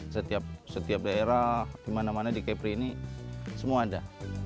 setiap daerah dimana mana di kepri ini semua ada